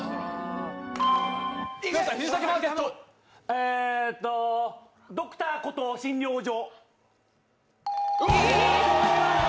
えーと、「Ｄｒ．コトー診療所」。